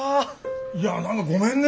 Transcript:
いや何かごめんね。